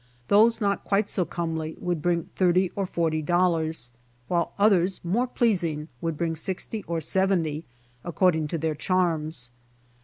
Those not quite so comely would bring thirty or forty dollars, while otheo s more pleasing would bring sixty or seventy according to their charms.